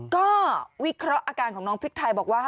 ก็วิเคราะห์อาการของน้องพริกไทยบอกว่า